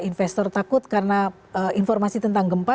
investor takut karena informasi tentang gempa